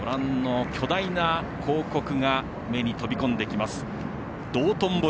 巨大な広告が目に飛び込んできます、道頓堀。